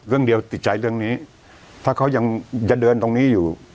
เรื่องเดียวติดใจเรื่องนี้ถ้าเขายังจะเดินตรงนี้อยู่